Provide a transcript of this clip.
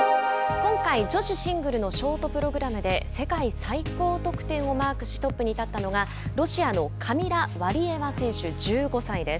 今回、女子シングルのショートプログラムで世界最高得点をマークしトップに立ったのがロシアのカミラ・ワリエワ選手１５歳です。